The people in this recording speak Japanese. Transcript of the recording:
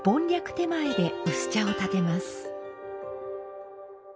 点前で薄茶を点てます。